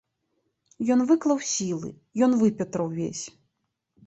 Ён выклаў сілы, ён выпетраў увесь.